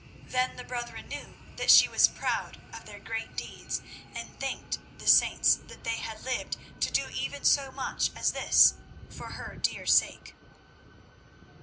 Then the brethren knew that she was proud of their great deeds, and thanked the saints that they had lived to do even so much as this for her dear sake.